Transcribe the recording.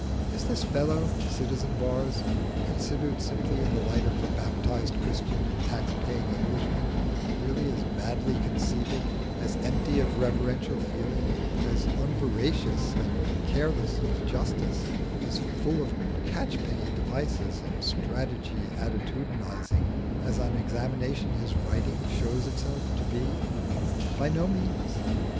Is this fellow citizen of ours, considered simply in the light of a baptised Christian and tax paying Englishman, really as madly conceited, as empty of reverential feeling, as unveracious and careless of justice, as full of catch penny devices and stagey attitudinising as on examination his writing shows itself to be? By no means.